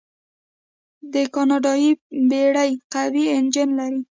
دا کاناډایي بیړۍ قوي انجن لري.